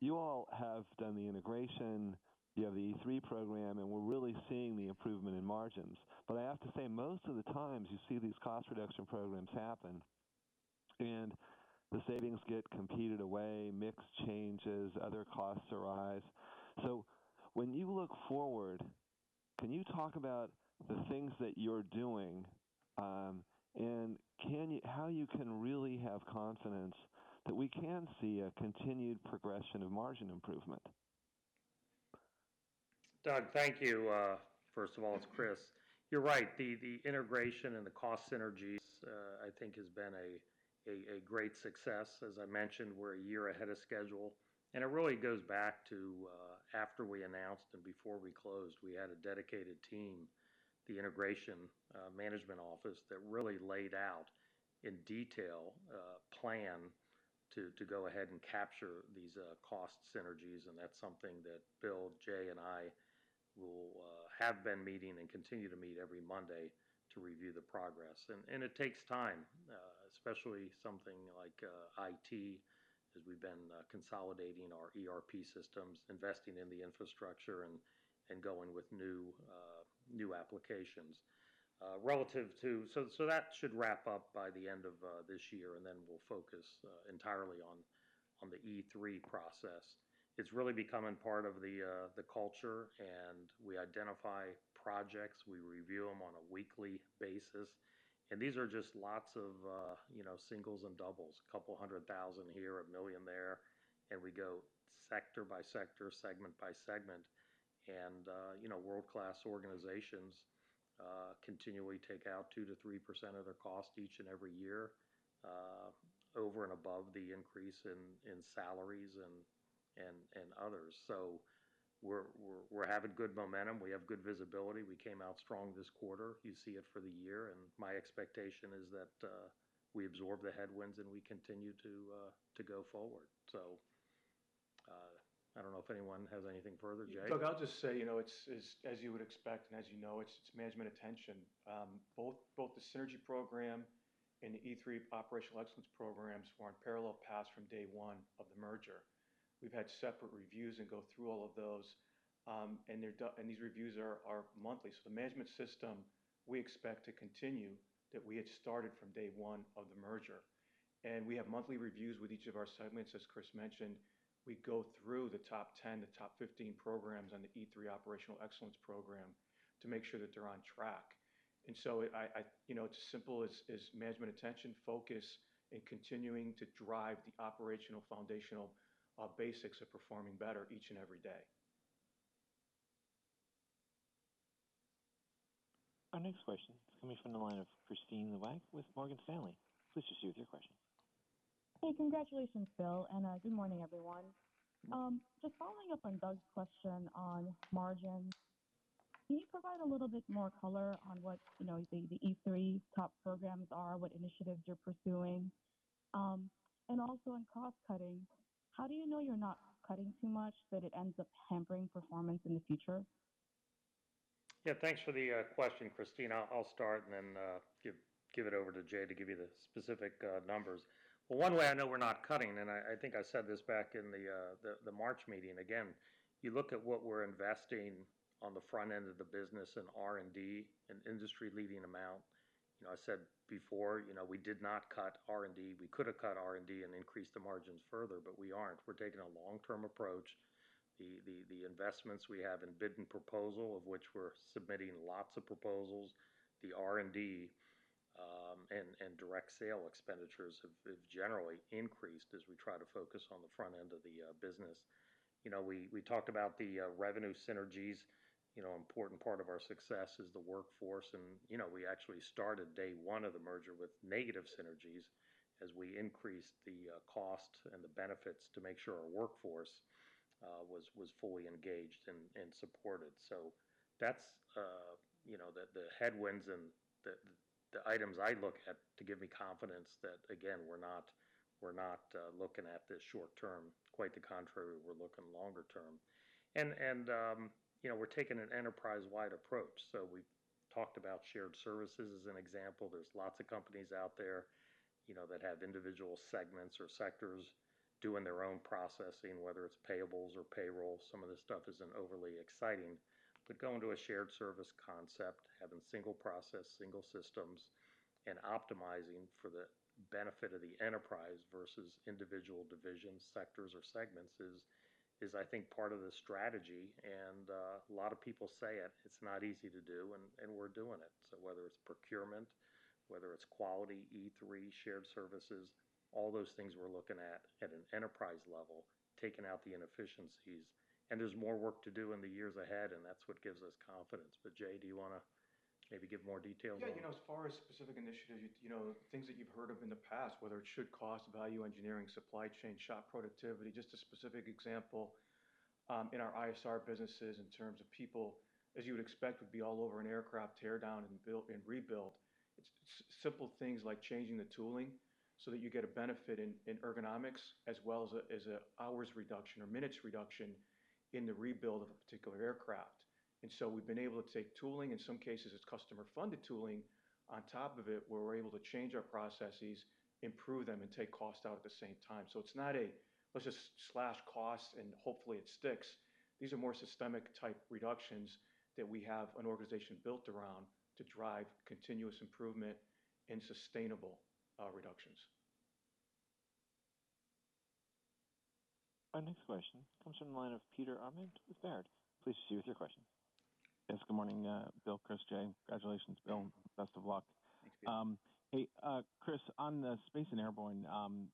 You all have done the integration, you have the E3 program, and we're really seeing the improvement in margins. I have to say, most of the times you see these cost reduction programs happen and the savings get competed away, mix changes, other costs arise. When you look forward, can you talk about the things that you're doing, and how you can really have confidence that we can see a continued progression of margin improvement? Doug, thank you. First of all, it's Chris. You're right, the integration and the cost synergies, I think has been a great success. As I mentioned, we're a year ahead of schedule, and it really goes back to after we announced and before we closed, we had a dedicated team, the integration management office, that really laid out in detail a plan to go ahead and capture these cost synergies, and that's something that Bill, Jay, and I have been meeting and continue to meet every Monday to review the progress. It takes time, especially something like IT, as we've been consolidating our ERP systems, investing in the infrastructure, and going with new applications. That should wrap up by the end of this year, and then we'll focus entirely on the E3 process. It's really becoming part of the culture, and we identify projects, we review them on a weekly basis. These are just lots of singles and doubles, a couple of hundred thousand here, $1 million there, and we go sector by sector, segment by segment. World-class organizations continually take out 2%-3% of their cost each and every year, over and above the increase in salaries and others. We're having good momentum. We have good visibility. We came out strong this quarter. You see it for the year, and my expectation is that we absorb the headwinds, and we continue to go forward. I don't know if anyone has anything further. Jay? Doug, I'll just say, as you would expect and as you know, it's management attention. Both the synergy program and the E3 operational excellence programs were on parallel paths from day one of the merger. We've had separate reviews and go through all of those. These reviews are monthly. The management system we expect to continue that we had started from day one of the Merger. We have monthly reviews with each of our segments, as Chris mentioned. We go through the top 10, the top 15 programs on the E3 Operational Excellence Program to make sure that they're on track. It's as simple as management attention, focus, and continuing to drive the operational foundational basics of performing better each and every day. Our next question is coming from the line of Kristine Liwag with Morgan Stanley. Please proceed with your question. Hey. Congratulations, Bill, and good morning, everyone. Just following up on Doug's question on margins. Can you provide a little bit more color on what the E3 top programs are, what initiatives you're pursuing? Also on cost-cutting, how do you know you're not cutting too much that it ends up hampering performance in the future? Yeah. Thanks for the question, Kristine. I'll start and then give it over to Jay to give you the specific numbers. Well, one way I know we're not cutting, and I think I said this back in the March meeting, again, you look at what we're investing on the front end of the business in R&D, an industry-leading amount. I said before we did not cut R&D. We could've cut R&D and increased the margins further, but we aren't. We're taking a long-term approach. The investments we have in bid and proposal, of which we're submitting lots of proposals, the R&D, and direct sale expenditures have generally increased as we try to focus on the front end of the business. We talked about the revenue synergies. Important part of our success is the workforce, and we actually started day one of the merger with negative synergies as we increased the cost and the benefits to make sure our workforce was fully engaged and supported. That's the headwinds and the items I look at to give me confidence that, again, we're not looking at this short term. Quite the contrary, we're looking longer term. We're taking an enterprise-wide approach. We talked about shared services as an example. There's lots of companies out there that have individual segments or sectors doing their own processing, whether it's payables or payroll. Some of this stuff isn't overly exciting. Going to a shared service concept, having single process, single systems, and optimizing for the benefit of the enterprise versus individual divisions, sectors, or segments is, I think, part of the strategy. A lot of people say it's not easy to do, and we're doing it. Whether it's procurement, whether it's quality, E3, shared services, all those things we're looking at at an enterprise level, taking out the inefficiencies. There's more work to do in the years ahead, and that's what gives us confidence. Jay, do you want to maybe give more details on- Yeah. As far as specific initiatives, things that you've heard of in the past, whether it's should-cost value engineering, supply chain, shop productivity. Just a specific example, in our ISR businesses in terms of people, as you would expect would be all over an aircraft teardown and rebuild. It's simple things like changing the tooling so that you get a benefit in ergonomics as well as a hours reduction or minutes reduction in the rebuild of a particular aircraft. We've been able to take tooling, in some cases it's customer-funded tooling, on top of it where we're able to change our processes, improve them, and take cost out at the same time. It's not a, "Let's just slash costs and hopefully it sticks." These are more systemic type reductions that we have an organization built around to drive continuous improvement and sustainable reductions. Our next question comes from the line of Peter Arment with Baird. Please proceed with your question. Yes. Good morning, Bill, Chris, Jay. Congratulations, Bill. Yeah. Best of luck. Thanks, Peter. Hey, Chris, on the Space and Airborne,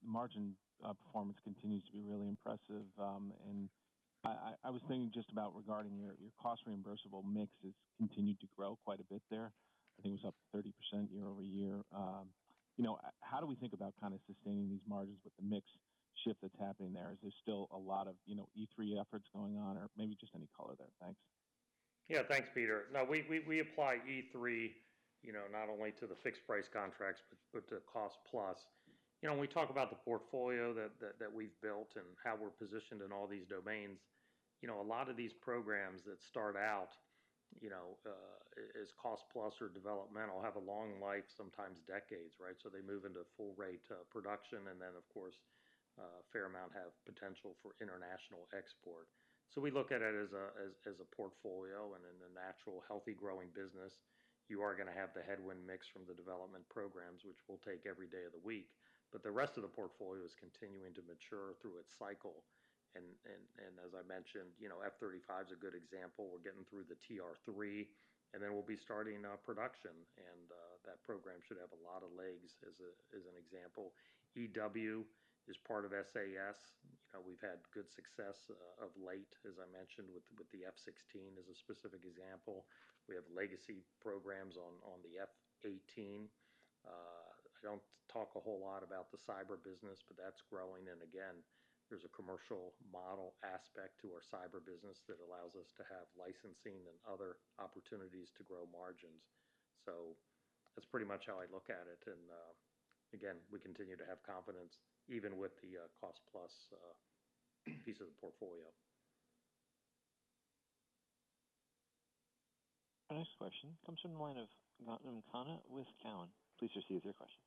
margin performance continues to be really impressive. I was thinking just about regarding your cost reimbursable mix has continued to grow quite a bit there. I think it was up 30% year-over-year. How do we think about kind of sustaining these margins with the mix shift that's happening there? Is there still a lot of E3 efforts going on? Maybe just any color there. Thanks. Thanks, Peter. We apply E3 not only to the fixed price contracts but to cost plus. When we talk about the portfolio that we've built and how we're positioned in all these domains, a lot of these programs that start out as cost plus or developmental have a long life, sometimes decades, right? They move into full rate production and then, of course, a fair amount have potential for international export. We look at it as a portfolio and in a natural, healthy, growing business, you are going to have the headwind mix from the development programs, which we'll take every day of the week. The rest of the portfolio is continuing to mature through its cycle. As I mentioned, F-35's a good example. We're getting through the TR-3, and then we'll be starting production, and that program should have a lot of legs as an example. EW is part of SAS. We've had good success of late, as I mentioned, with the F-16 as a specific example. We have legacy programs on the F-18. I don't talk a whole lot about the cyber business, but that's growing, and again, there's a commercial model aspect to our cyber business that allows us to have licensing and other opportunities to grow margins. That's pretty much how I look at it, and again, we continue to have confidence even with the cost plus piece of the portfolio. Our next question comes from the line of Gautam Khanna with Cowen. Please proceed with your question.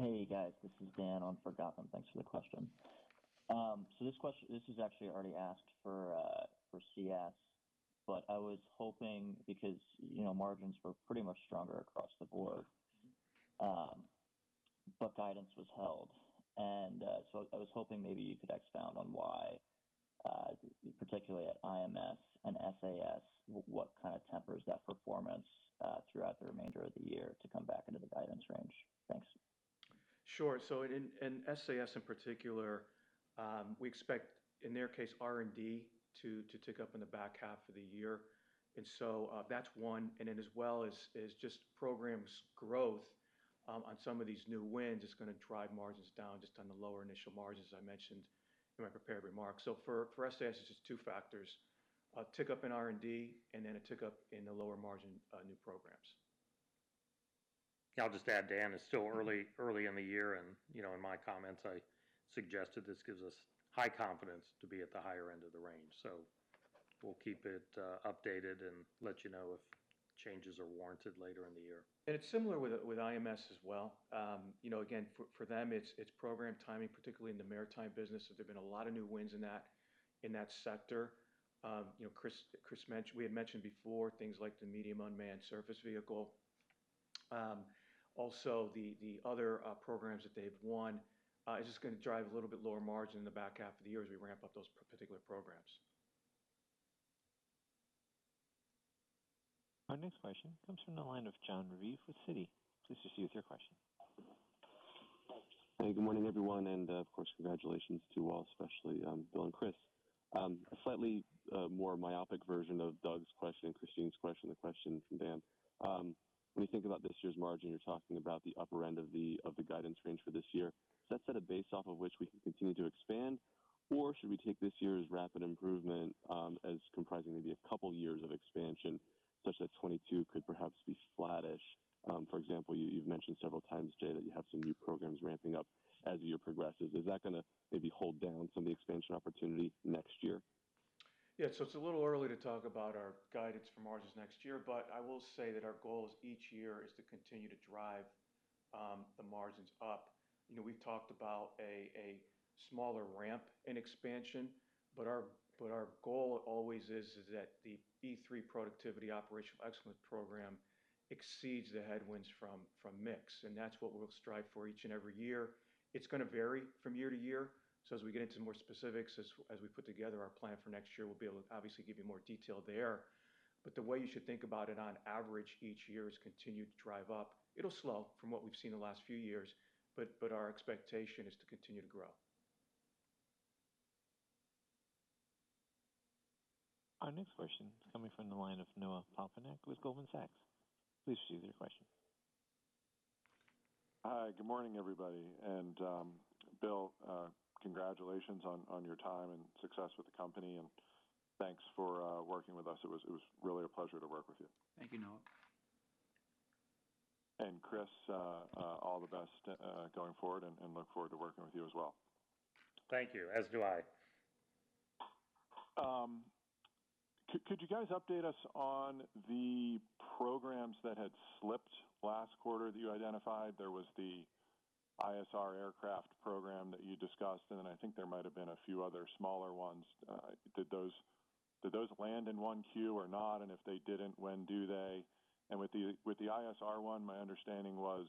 Hey, guys. This is Dan on for Gautam. Thanks for the question. This was actually already asked for CS, but I was hoping because margins were pretty much stronger across the board, but guidance was held. I was hoping maybe you could expound on why, particularly at IMS and SAS, what kind of tempers that performance throughout the remainder of the year to come back into the guidance range. Thanks. Sure. In SAS in particular, we expect, in their case, R&D to tick up in the back half of the year. That's one, and then as well is just program's growth on some of these new wins is going to drive margins down just on the lower initial margins I mentioned in my prepared remarks. For SAS, it's just two factors. A tick up in R&D, and then a tick up in the lower margin new programs. I'll just add, Dan, it's still early in the year. In my comments, I suggested this gives us high confidence to be at the higher end of the range. We'll keep it updated and let you know if changes are warranted later in the year. It's similar with IMS as well. Again, for them, it's program timing, particularly in the maritime business. There've been a lot of new wins in that sector. Chris mentioned, we had mentioned before things like the Medium Unmanned Surface Vehicle. Also, the other programs that they've won is just going to drive a little bit lower margin in the back half of the year as we ramp up those particular programs. Our next question comes from the line of Jon Raviv with Citi. Please proceed with your question. Hey, good morning, everyone, and of course, congratulations to you all, especially Bill and Chris. A slightly more myopic version of Doug's question, Kristine Liwag's question, the question from Dan. When you think about this year's margin, you're talking about the upper end of the guidance range for this year. Does that set a base off of which we can continue to expand? Should we take this year's rapid improvement as comprising maybe a couple of years of expansion, such that 2022 could perhaps be flattish? For example, you've mentioned several times, Jay, that you have some new programs ramping up as the year progresses. Is that going to maybe hold down some of the expansion opportunity next year? It's a little early to talk about our guidance for margins next year, but I will say that our goal is each year is to continue to drive the margins up. We've talked about a smaller ramp in expansion, but our goal always is that the E3 productivity operational excellence program exceeds the headwinds from mix, and that's what we'll strive for each and every year. It's going to vary from year to year. As we get into more specifics, as we put together our plan for next year, we'll be able to obviously give you more detail there. The way you should think about it on average each year is continue to drive up. It'll slow from what we've seen in the last few years, but our expectation is to continue to grow. Our next question is coming from the line of Noah Poponak with Goldman Sachs. Please proceed with your question. Hi, good morning, everybody. Bill, congratulations on your time and success with the company, and thanks for working with us. It was really a pleasure to work with you. Thank you, Noah. Chris, all the best going forward and look forward to working with you as well. Thank you. As do I. Could you guys update us on the programs that had slipped last quarter that you identified? There was the ISR aircraft program that you discussed, and then I think there might have been a few other smaller ones. Did those land in 1Q or not? If they didn't, when do they? With the ISR one, my understanding was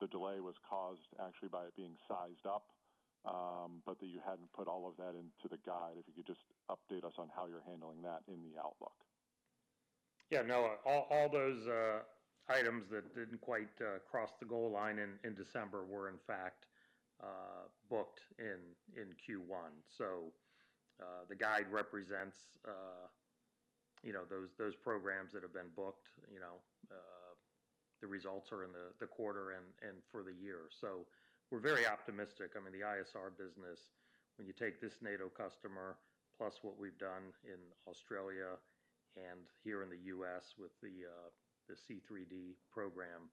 the delay was caused actually by it being sized up, but that you hadn't put all of that into the guide. If you could just update us on how you're handling that in the outlook. Yeah, Noah, all those items that didn't quite cross the goal line in December were, in fact, booked in Q1. The guide represents those programs that have been booked. The results are in the quarter and for the year. We're very optimistic. I mean, the ISR business, when you take this NATO customer plus what we've done in Australia and here in the U.S. with the C3D program,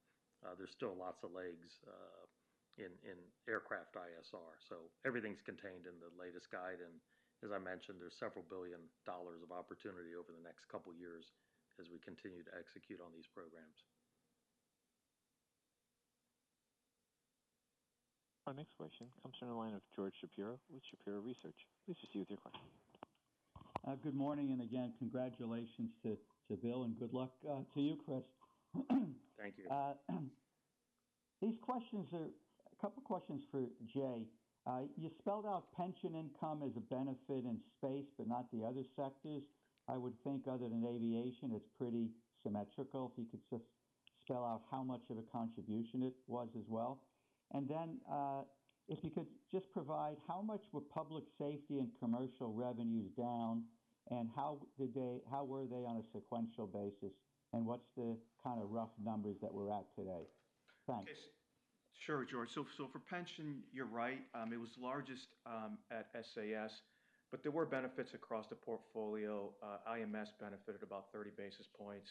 there's still lots of legs in aircraft ISR. Everything's contained in the latest guide, and as I mentioned, there's several billion dollars of opportunity over the next couple of years as we continue to execute on these programs. Our next question comes from the line of George Shapiro with Shapiro Research. Please proceed with your question. Good morning, and again, congratulations to Bill and good luck to you, Chris. Thank you. A couple questions for Jay. You spelled out pension income as a benefit in Space, but not the other sectors. I would think other than Aviation, it's pretty symmetrical. If you could just spell out how much of a contribution it was as well. Then, if you could just provide how much were public safety and commercial revenues down, and how were they on a sequential basis, and what's the kind of rough numbers that we're at today? Thanks. Sure, George. For pension, you're right. It was largest at SAS, but there were benefits across the portfolio. IMS benefited about 30 basis points.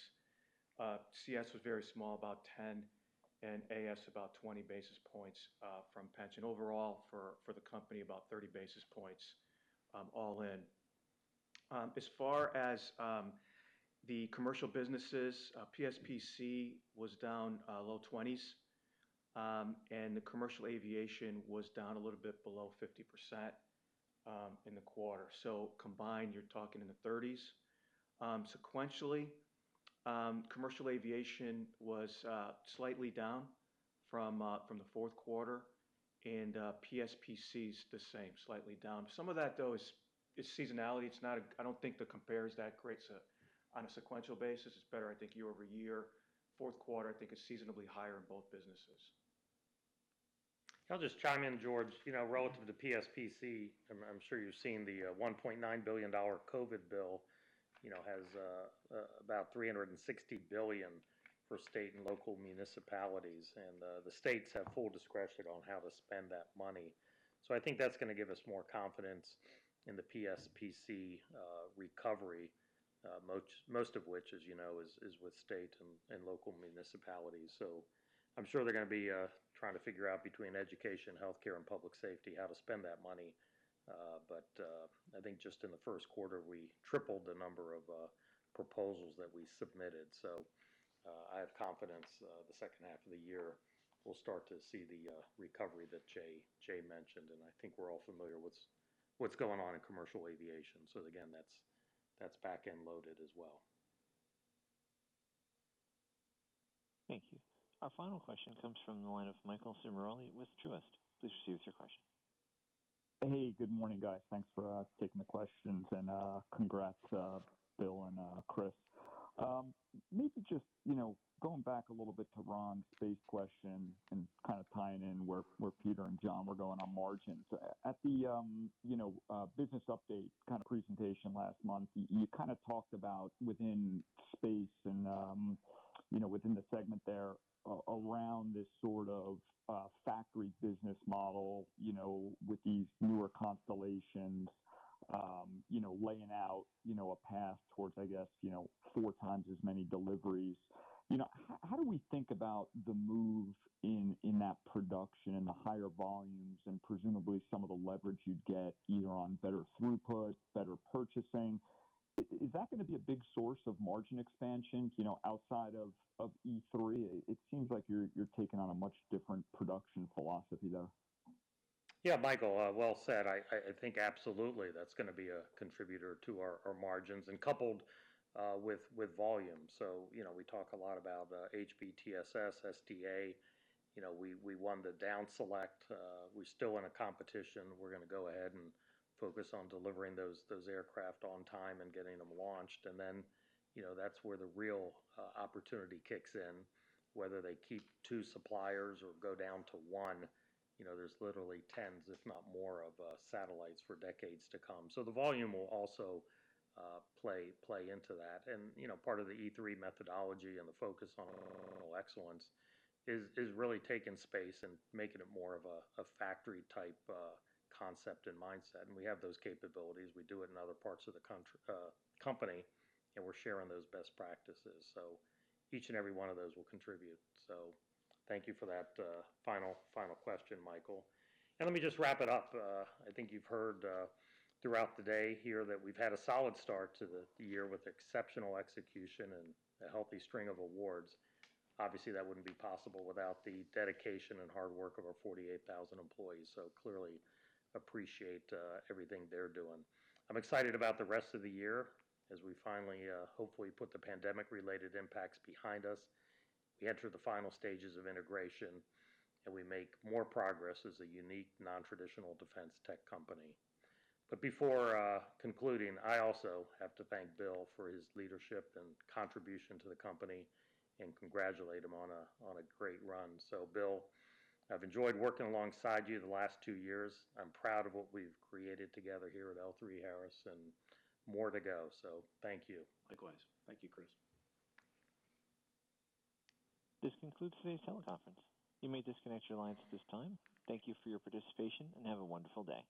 CS was very small, about 10 basis points, and AS about 20 basis points from pension. Overall, for the company, about 30 basis points all in. As far as the commercial businesses, PSPC was down low 20s, and the commercial aviation was down a little bit below 50% in the quarter. Combined, you're talking in the 30s. Sequentially, commercial aviation was slightly down from the fourth quarter, and PSPC's the same, slightly down. Some of that, though, is seasonality. I don't think the compare is that great on a sequential basis. It's better, I think, year-over-year. Fourth quarter, I think, is seasonably higher in both businesses. I'll just chime in, George. Relative to PSPC, I'm sure you've seen the $1.9 billion COVID bill has about $360 billion for state and local municipalities. The states have full discretion on how to spend that money. I think that's going to give us more confidence in the PSPC recovery. Most of which, as you know, is with state and local municipalities. I'm sure they're going to be trying to figure out between education, healthcare, and public safety how to spend that money. I think just in the first quarter, we tripled the number of proposals that we submitted. I have confidence the second half of the year we'll start to see the recovery that Jay mentioned, and I think we're all familiar with what's going on in commercial aviation. Again, that's back-end loaded as well. Thank you. Our final question comes from the line of Michael Ciarmoli with Truist. Please proceed with your question. Hey, good morning, guys. Thanks for taking the questions and congrats, Bill and Chris. Just going back a little bit to Ron's space question and kind of tying in where Peter and Jon were going on margins. At the business update kind of presentation last month, you kind of talked about within space and within the segment there around this sort of factory business model with these newer constellations laying out a path towards, I guess, four times as many deliveries. How do we think about the move in that production and the higher volumes and presumably some of the leverage you'd get either on better throughput, better purchasing? Is that going to be a big source of margin expansion outside of E3? It seems like you're taking on a much different production philosophy there. Yeah, Michael, well said. I think absolutely that's going to be a contributor to our margins and coupled with volume. We talk a lot about HBTSS, SDA. We won the down select. We're still in a competition. We're going to go ahead and focus on delivering those aircraft on time and getting them launched. That's where the real opportunity kicks in, whether they keep two suppliers or go down to one. There's literally tens if not more of satellites for decades to come. The volume will also play into that. Part of the E3 methodology and the focus on excellence is really taking space and making it more of a factory-type concept and mindset, and we have those capabilities. We do it in other parts of the company, and we're sharing those best practices. Each and every one of those will contribute. Thank you for that final question, Michael. Let me just wrap it up. I think you've heard throughout the day here that we've had a solid start to the year with exceptional execution and a healthy string of awards. Obviously, that wouldn't be possible without the dedication and hard work of our 48,000 employees, so clearly appreciate everything they're doing. I'm excited about the rest of the year as we finally hopefully put the pandemic-related impacts behind us, we enter the final stages of integration, and we make more progress as a unique, non-traditional defense tech company. Before concluding, I also have to thank Bill for his leadership and contribution to the company and congratulate him on a great run. Bill, I've enjoyed working alongside you the last two years. I'm proud of what we've created together here at L3Harris and more to go. Thank you. Likewise. Thank you, Chris. This concludes today's teleconference. You may disconnect your lines at this time. Thank you for your participation, and have a wonderful day.